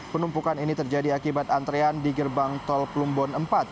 penumpukan ini terjadi akibat antrean di gerbang tol plumbon empat